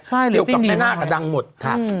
ใช่หรือติ้นดีมากกับดังหมดค่ะอืม